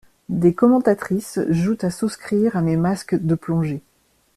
Des commentatrices jouent à souscrire à mes masques de plongée.